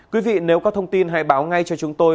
quý vị nếu có thông tin hãy báo ngay cho chúng tôi